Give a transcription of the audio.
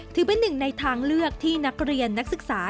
ถือเป็นหนึ่งในทางเลือกที่นักเรียนนักศึกษา